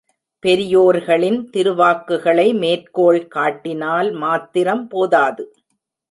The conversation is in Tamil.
பெரியோர்களின் திருவாக்குகளை மேற்கோள் காட்டினால் மாத்திரம் போதாது.